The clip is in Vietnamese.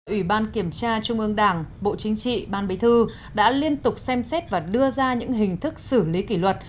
ủy ban kiểm tra trung ương đảng bộ chính trị ban bí thư đã liên tục xem xét và đưa ra những hình thức xử lý kỷ luật